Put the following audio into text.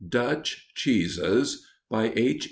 DUTCH CHEESES BY H.